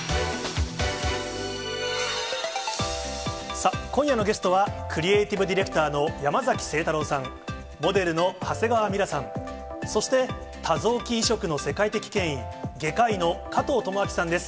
さあ、今夜のゲストは、クリエーティブディレクターの山崎晴太郎さん、モデルの長谷川ミラさん、そして、多臓器移植の世界的権威、外科医の加藤友朗さんです。